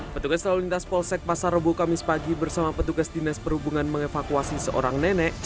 pertukas lalu lintas polsek pasarobo kamis pagi bersama petugas dinas perhubungan mengevakuasi seorang nenek